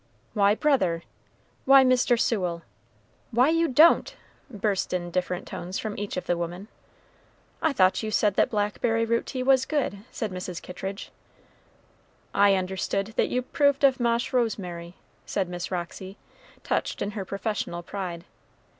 "Why, brother!" "Why, Mr. Sewell!" "Why, you don't!" burst in different tones from each of the women. "I thought you said that blackberry root tea was good," said Mrs. Kittridge. "I understood that you 'proved of ma'sh rosemary," said Miss Roxy, touched in her professional pride.